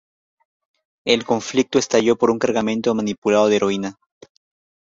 El conflicto estalló por un cargamento manipulado de heroína.